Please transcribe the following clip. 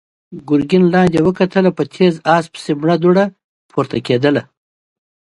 ګرګين لاندې وکتل، په تېز آس پسې مړه دوړه پورته کېدله.